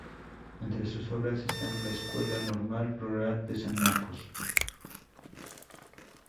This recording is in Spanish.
Entre sus obras están la Escuela Normal Rural de San Marcos, Zac.